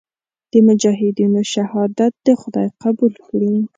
د مجاهدینو شهادت دې خدای قبول کړي.